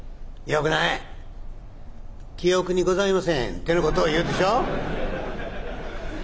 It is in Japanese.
「記憶にございません」ってなことを言うでしょう？